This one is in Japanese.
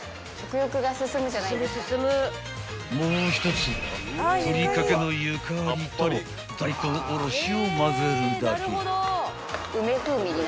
［もう一つはふりかけのゆかりと大根おろしを混ぜるだけ］